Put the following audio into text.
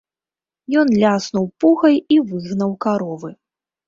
Ён ляснуў пугай і выгнаў каровы.